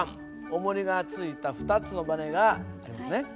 重りが付いた２つのバネがありますね。